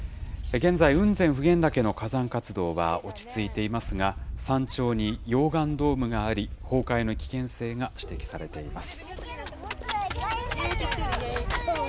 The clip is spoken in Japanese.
現在、雲仙・普賢岳の火山活動は落ち着いていますが、山頂に溶岩ドームがあり、崩壊の危険性が指摘されています。